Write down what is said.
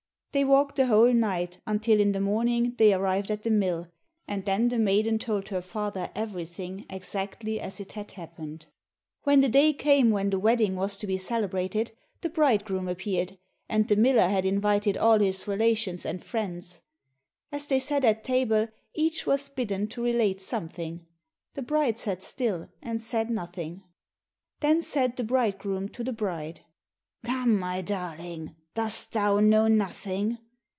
They walked the whole night, until in the morning they arrived at the mill, and then the maiden told her father everything exactly as it had happened. When the day came when the wedding was to be celebrated, the bridegroom appeared, and the Miller had invited all his relations and friends. As they sat at table, each was bidden to relate something. The bride sat still, and said nothing. Then said the bridegroom to the bride, "Come, my darling, dost thou know nothing?